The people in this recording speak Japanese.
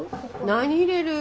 何入れる？